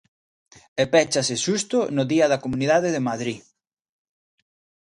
E péchase xusto no día da Comunidade de Madrid.